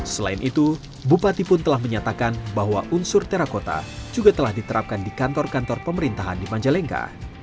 selain itu bupati pun telah menyatakan bahwa unsur terakota juga telah diterapkan di kantor kantor pemerintahan di majalengka